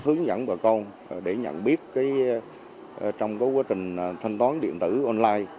hướng dẫn bà con để nhận biết cái trong cái quá trình thanh toán điện tử online